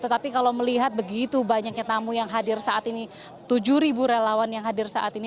tetapi kalau melihat begitu banyaknya tamu yang hadir saat ini tujuh ribu relawan yang hadir saat ini